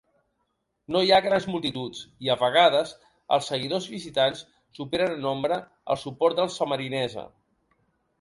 No hi ha grans multituds i a vegades els seguidors visitants superen en nombre el suport dels sammarinese.